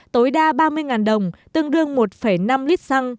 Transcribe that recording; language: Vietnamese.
tối đa ba mươi đồng tương đương một năm lít xăng